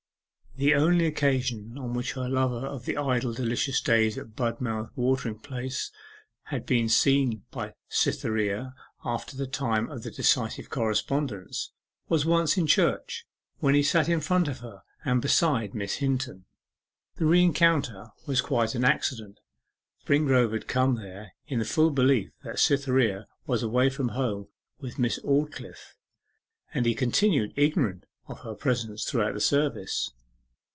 The only occasion on which her lover of the idle delicious days at Budmouth watering place had been seen by Cytherea after the time of the decisive correspondence, was once in church, when he sat in front of her, and beside Miss Hinton. The rencounter was quite an accident. Springrove had come there in the full belief that Cytherea was away from home with Miss Aldclyffe; and he continued ignorant of her presence throughout the service.